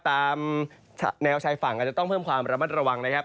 ตามแนวชายฝั่งอาจจะต้องเพิ่มความระมัดระวังนะครับ